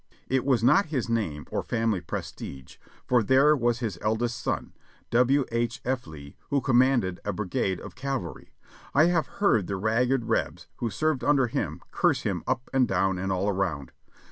It was not his name or family prestige, for there was his eldest son, W. H. F. Lee, who com manded a brigade of cavalry ; I have heard the ragged Rebs who served under him curse him up and down and all around.